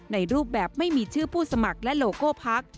ในรูปแบบไม่มีชื่อผู้สมัครและโลโก้พัก